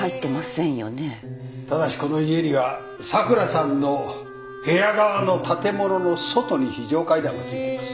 ただしこの家には桜さんの部屋側の建物の外に非常階段が付いています。